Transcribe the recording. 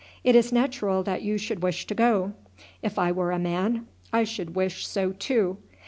It is natural that you should wish to go. If I were a man I should wish so too.